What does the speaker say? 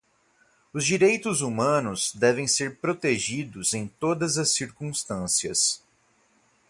Os direitos humanos devem ser protegidos em todas as circunstâncias.